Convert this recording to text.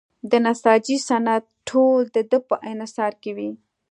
د نساجۍ صنعت ټول د ده په انحصار کې وي.